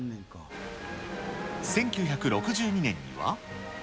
１９６２年には。